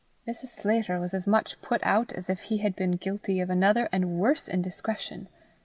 Mrs. Sclater was as much put out as if he had been guilty of another and worse indiscretion.